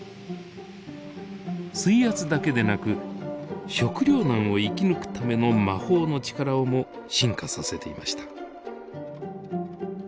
水圧だけでなく食糧難を生き抜くための魔法の力をも進化させていました。